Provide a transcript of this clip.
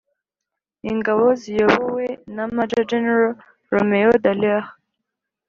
Ingabo ziyobowe na Major General Romeo Dallaire